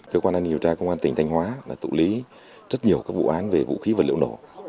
cơ quan đang điều tra công an tỉnh thanh hóa tụ lý rất nhiều các vụ án về vũ khí vật liệu nổ